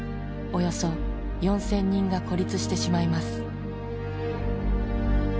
およそ４０００人が孤立してしまいます。